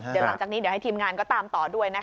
เดี๋ยวหลังจากนี้ให้ทีมงานก็ตามต่อด้วย